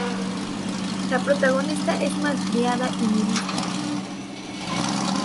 La protagonista es malcriada y nihilista".